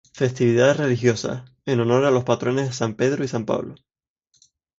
Festividades Religiosas: En honor a los patrones San Pedro y San Pablo.